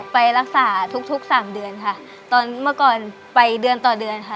ไปรักษาทุกทุกสามเดือนค่ะตอนเมื่อก่อนไปเดือนต่อเดือนค่ะ